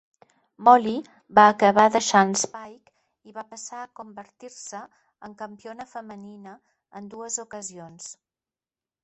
Molly va acabar deixant Spike, i va passar a convertir-se en campiona femenina en dues ocasions.